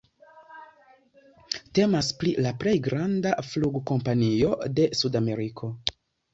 Temas pri la plej granda flugkompanio de Sudameriko.